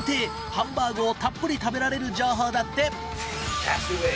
ハンバーグをたっぷり食べられる情報だって。